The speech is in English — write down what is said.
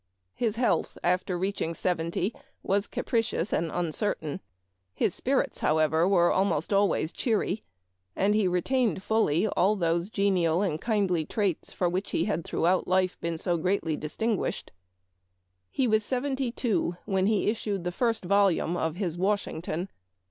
His health after reaching seventy was capricious and uncertain. His spirits, however, were almost always cheery, and he retained fully all those genial and kindly traits for which he had throughout life been so greatly distinguished. He was seventy two when he issued the first volume of his "Washington."